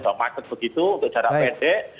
sudah macet begitu untuk jarak pendek